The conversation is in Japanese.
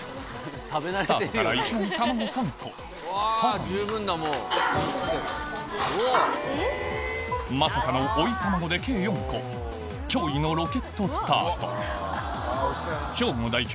スタートからいきなり卵３個さらにまさかの追い卵で計４個驚異のロケットスタート兵庫代表